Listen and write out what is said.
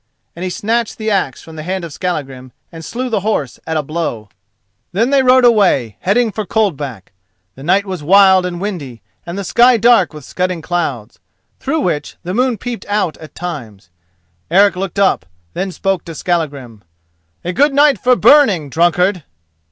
And he snatched the axe from the hand of Skallagrim and slew the horse at a blow. Then they rode away, heading for Coldback. The night was wild and windy, and the sky dark with scudding clouds, through which the moon peeped out at times. Eric looked up, then spoke to Skallagrim: "A good night for burning, drunkard!"